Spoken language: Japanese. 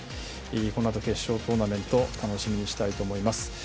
このあと決勝トーナメント楽しみにしたいと思います。